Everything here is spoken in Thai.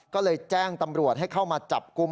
ก็เลยแจ้งตำรวจให้เข้ามาจับกลุ่ม